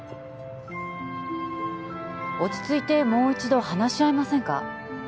落ち着いてもう一度話し合いませんか？